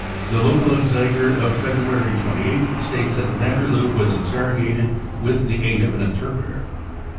The Lokalanzeiger of February 28th states that van der Lubbe was interrogated with the aid of an interpreter.